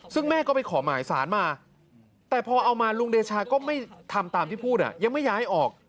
ซึ่งแม่ก็ไปขอหมายสารมาแต่พอเอามาลุงเดชาก็ไม่ทำตามที่พูดยังไม่ย้ายออก